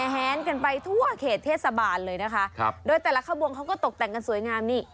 แหนกันไปทั่วเขตเทศบาลเลยนะคะครับโดยแต่ละขบวนเขาก็ตกแต่งกันสวยงามนี่